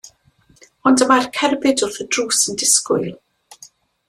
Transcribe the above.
Ond y mae'r cerbyd wrth y drws yn disgwyl.